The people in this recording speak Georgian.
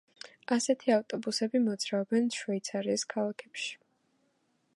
ასეთი ავტობუსები მოძრაობენ შვეიცარიის ქალაქებში.